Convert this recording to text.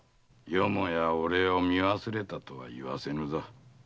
よもや俺を見忘れたとは言わせぬぞ。